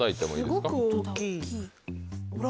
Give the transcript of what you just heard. すごく大きいほら。